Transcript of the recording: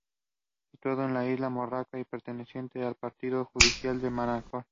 Situado en la isla Mallorca y perteneciente al partido judicial de Manacor.